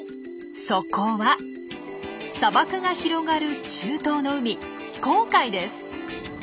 そこは砂漠が広がる中東の海紅海です。